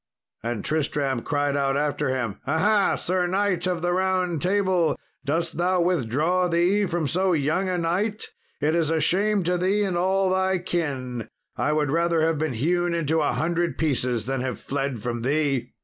And Tristram cried out after him, "Aha! Sir knight of the Round Table, dost thou withdraw thee from so young a knight? it is a shame to thee and all thy kin; I would rather have been hewn into a hundred pieces than have fled from thee."